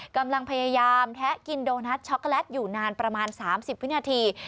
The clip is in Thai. กำลังพยายามแทะกินโดนัทช็อกโกแลตอยู่นานประมาณ๓๐วินาที